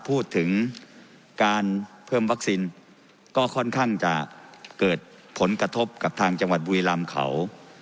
พูดถึงการเพิ่มวัคซีนก็ค่อนข้างจะเกิดผลกระทบกับทางจังหวัดบุรีรำเขา